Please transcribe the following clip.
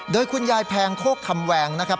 โดยคุณยายแพงโคกคำแวงนะครับ